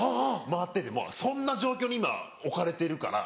回っててもそんな状況に今置かれてるから。